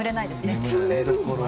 いつ寝るの？